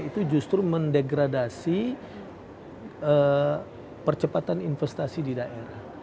itu justru mendegradasi percepatan investasi di daerah